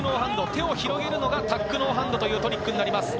手を広げるのがタックノーハンドというトリックです。